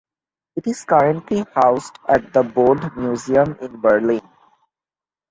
It is currently housed at the Bode Museum in Berlin.